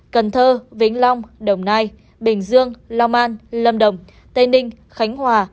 cần thơ vĩnh long đồng nai bình dương long an lâm đồng tây ninh khánh hòa